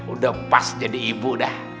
udah pas jadi ibu dah